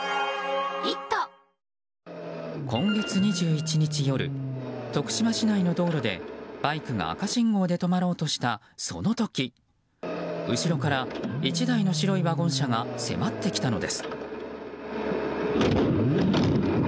今月２１日夜徳島市内の道路でバイクが赤信号で止まろうとしたその時後ろから１台の白いワゴン車が迫ってきたのです。